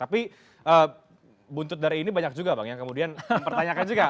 tapi buntut dari ini banyak juga bang yang kemudian mempertanyakan juga